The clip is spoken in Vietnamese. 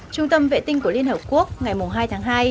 trung tâm vệ tinh của liên hợp quốc ngày hai tháng hai